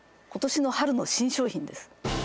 今年の春の新商品です